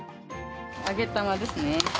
揚げ玉ですね。